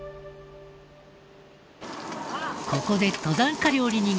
ここで登山家料理人が登場。